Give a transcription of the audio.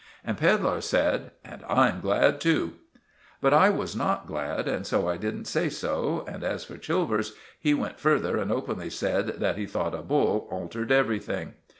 And Pedlar said— "And I'm glad too." But I was not glad, and so I didn't say so; and as for Chilvers, he went further and openly said that he thought a bull altered everything.